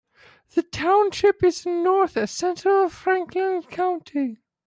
The township is in north-central Franklin County.